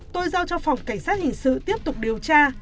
tôi giao cho phòng cảnh sát hình sự tiếp tục điều tra